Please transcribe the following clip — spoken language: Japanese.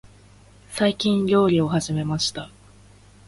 最近、料理を始めました。